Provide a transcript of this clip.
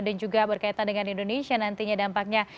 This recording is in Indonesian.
dan juga berkaitan dengan indonesia nantinya dampaknya